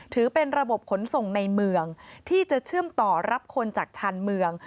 ถือเป็นระบบขนส่งในเมืองที่จะเชื่อมต่อรับคนจากชานเมือง